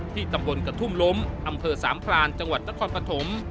ตำบลกระทุ่มล้มอำเภอสามพรานจังหวัดนครปฐม